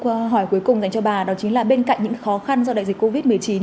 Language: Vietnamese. câu hỏi cuối cùng dành cho bà đó chính là bên cạnh những khó khăn do đại dịch covid một mươi chín